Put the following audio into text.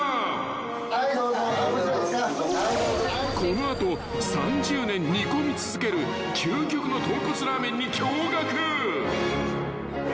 ［この後３０年煮込み続ける究極の豚骨ラーメンに驚愕］